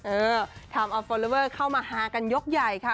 เออถามอัพฟอร์เวอร์เข้ามาฮากันยกใหญ่ค่ะ